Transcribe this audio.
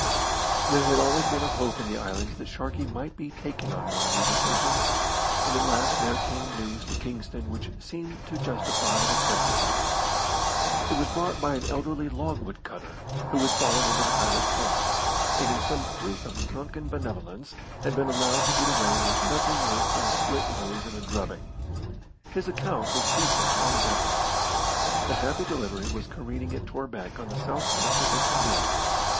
There had always been a hope in the islands that Sharkey might be taken on one of these occasions; and at last there came news to Kingston which seemed to justify an attempt upon him. It was brought by an elderly logwood cutter who had fallen into the pirate's hands, and in some freak of drunken benevolence had been allowed to get away with nothing worse than a slit nose and a drubbing. His account was recent and definite. The Happy Delivery was careening at Torbec on the south west of Hispaniola.